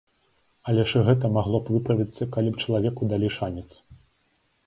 Але ж і гэта магло б выправіцца, калі б чалавеку далі шанец.